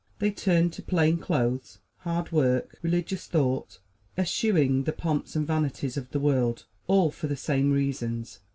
They turn to plain clothes, hard work, religious thought, eschewing the pomps and vanities of the world all for the same reasons.